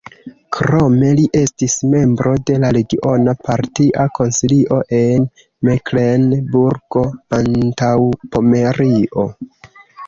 Krome li estis membro de la regiona partia konsilio en Meklenburgo-Antaŭpomerio.